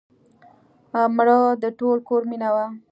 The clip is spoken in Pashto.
مړه د ټول کور مینه وه